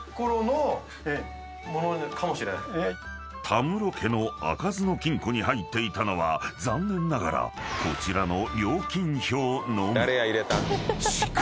［田室家の開かずの金庫に入っていたのは残念ながらこちらの］